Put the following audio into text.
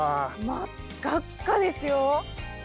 真っ赤っかですよ。